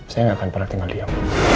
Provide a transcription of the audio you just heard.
saya nggak akan pernah tinggal diam